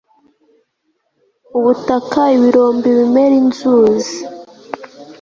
Ubutaka ibirombe ibimera inzuzi